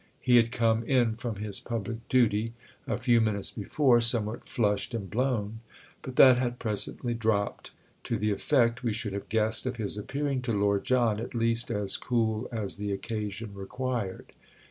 He had come in from his public duty, a few minutes before, somewhat flushed and blown; but that had presently dropped—to the effect, we should have guessed, of his appearing to Lord John at least as cool as the occasion required.